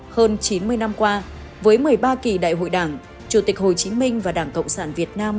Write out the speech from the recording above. hơn chín mươi năm qua với một mươi ba kỳ đại hội đảng chủ tịch hồ chí minh và đảng cộng sản việt nam